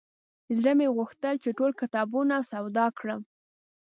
زړه مې غوښتل چې ټول کتابونه سودا کړم.